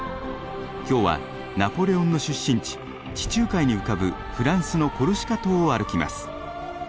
今日はナポレオンの出身地地中海に浮かぶフランスのコルシカ島を歩きます。